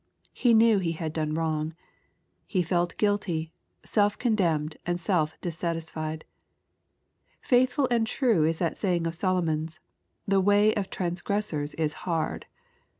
He knew he had done wrong. He felt guilty, self condemned, and self dissatisfied. Faithful and true is that saying of Solomon's, "The way of transgressors is hard."